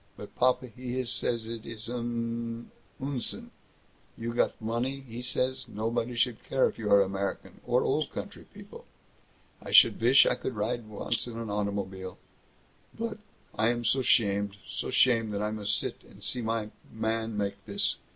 But papa he says it is an Unsinn; you got the money, he says, nobody should care if you are American or Old Country people. I should vish I could ride once in an automobile! But I am so 'shamed, so 'shamed that I must sit and see my Mann make this.